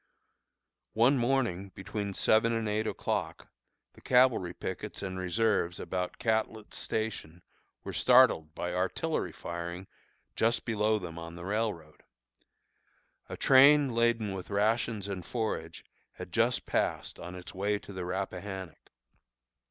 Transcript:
One morning, between seven and eight o'clock, the cavalry pickets and reserves about Catlett's Station were startled by artillery firing just below them on the railroad. A train laden with rations and forage had just passed on its way to the Rappahannock.